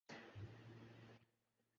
کچھ کرتوتوں کی مار ہے۔